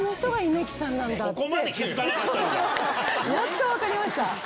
やっと分かりました！